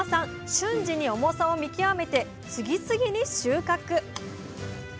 瞬時に重さを見極めて次々に収穫。